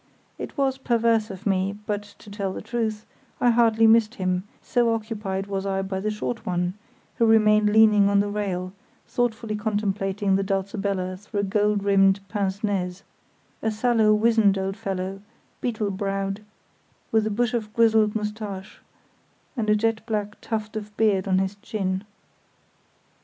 It was perverse of me, but, to tell the truth, I hardly missed him, so occupied was I by the short one, who remained leaning on the rail, thoughtfully contemplating the Dulcibella through gold rimmed pince nez: a sallow, wizened old fellow, beetlebrowed, with a bush of grizzled moustache and a jet black tuft of beard on his chin.